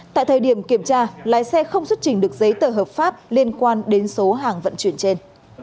tại thời điểm kiểm tra lái xe không xuất trình được giấy tờ hợp pháp liên quan đến số hàng vận chuyển trên